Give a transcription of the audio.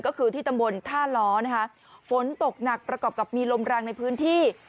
ก็คือที่ตำบลท่าล้อนะคะฝนตกหนักประกอบกับมีลมแรงในพื้นที่